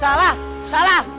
salah salah salah